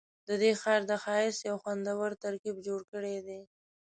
ددې ښار د ښایست یو خوندور ترکیب جوړ کړی دی.